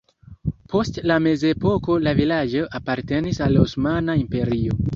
Post la mezepoko la vilaĝo apartenis al Osmana Imperio.